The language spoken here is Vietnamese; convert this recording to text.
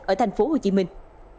ở thành phố hồ chí minh